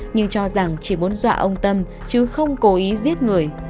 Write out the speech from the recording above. nhưng cho rằng chỉ muốn dọa ông tâm chứ không cố ý giết người